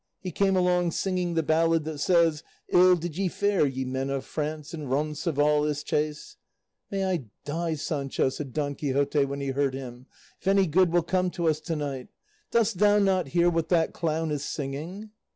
He came along singing the ballad that says Ill did ye fare, ye men of France, In Roncesvalles chase— "May I die, Sancho," said Don Quixote, when he heard him, "if any good will come to us to night! Dost thou not hear what that clown is singing?"